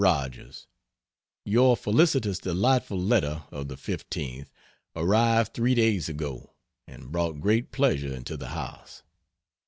ROGERS, Your felicitous delightful letter of the 15th arrived three days ago, and brought great pleasure into the house.